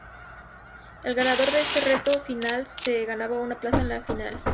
El ganador de ese reto final se ganaba una plaza en la gran final.